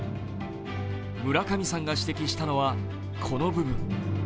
村上さんが指摘したのはこの部分。